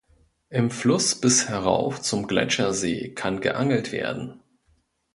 Im Fluss bis herauf zum Gletschersee kann geangelt werden.